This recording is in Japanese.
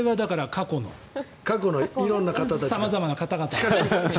過去の様々な方が。